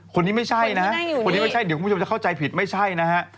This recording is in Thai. คนนี้ไม่ใช่นะฮะเดี๋ยวคุณผู้ชมจะเข้าใจผิดไม่ใช่นะฮะ